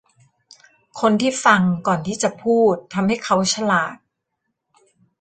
คนที่ฟังก่อนที่จะพูดทำให้เขาฉลาด